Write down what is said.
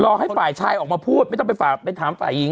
ให้ฝ่ายชายออกมาพูดไม่ต้องไปฝากไปถามฝ่ายหญิง